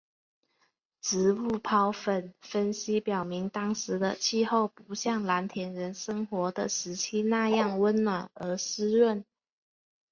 植物孢粉分析表明当时的气候不像蓝田人生活的时期那样温暖而湿润。